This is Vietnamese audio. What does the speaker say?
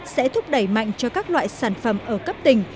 sẽ thúc đẩy mạnh cho các loại sản phẩm ở cấp tỉnh